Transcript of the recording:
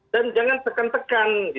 dan jangan tekan tekan